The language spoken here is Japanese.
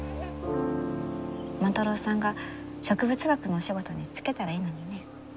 万太郎さんが植物学のお仕事に就けたらいいのにね。